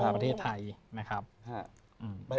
ประเทศไทยนะครับ